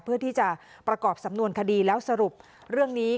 เพื่อที่จะประกอบสำนวนคดีแล้วสรุปเรื่องนี้